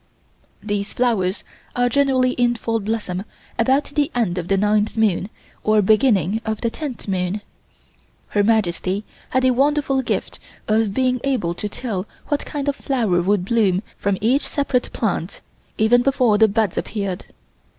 These flowers are generally in full bloom about the end of the ninth moon or beginning of the tenth moon. Her Majesty had a wonderful gift of being able to tell what kind of flower would bloom from each separate plant, even before the buds appeared.